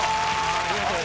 ありがとう！